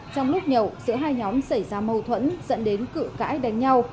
trong lúc nhậu giữa hai nhóm xảy ra mâu thuẫn dẫn đến cự cãi đánh nhau